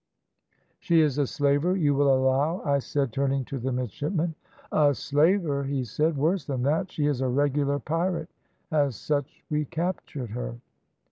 "`She is a slaver, you will allow?' I said, turning to the midshipman. "`A slaver!' he said, `worse than that. She is a regular pirate; as such we captured her.'